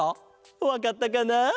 わかったかな？